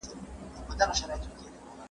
پیسې باید په پوره ډول ورکړل شي.